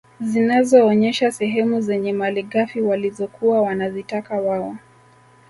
Zinazoonyesha sehemu zenye malighafi walizokuwa wanazitaka wao